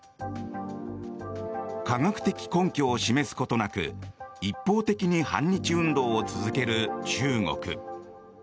科学的根拠を示すことなく一方的に反日運動を続ける中国。